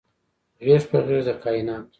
غیږ په غیږ د کائیناتو